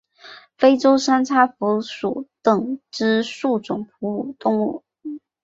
非洲三叉蝠属等之数种哺乳动物。